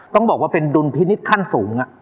ต้องบอกว่าเป็นดุลพินิษฐ์ขั้นสูง